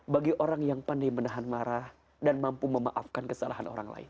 bagi orang yang pandai menahan marah dan mampu memaafkan kesalahan orang lain